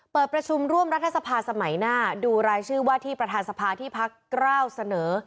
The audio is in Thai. เปิดประชุมร่วมรัฐสภาสมัยหน้าดูรายชื่อว่าที่ประธานสภาที่พักกล้าวเสนอ